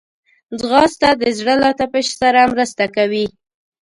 ځغاسته د زړه له تپش سره مرسته کوي